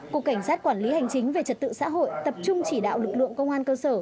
cục cảnh sát quản lý hành chính về trật tự xã hội tập trung chỉ đạo lực lượng công an cơ sở